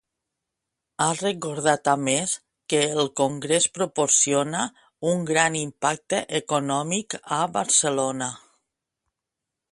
Ha recordat a més que el congrés proporciona un gran impacte econòmic a Barcelona.